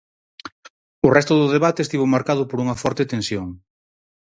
O resto do debate estivo marcado por unha forte tensión.